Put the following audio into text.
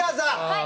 はい。